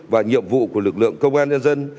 và nhiệm vụ của lực lượng công an nhân dân